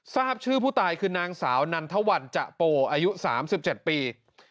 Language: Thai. ทราบชื่อผู้ตายคือนางสาวนันทวันจะโปอายุ๓๗ปี